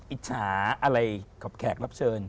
อิจฉาอะไรกับแขกรับเชิญ